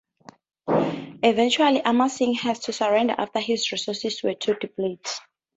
Eventually Amar Singh had to surrender after his resources were too depleted.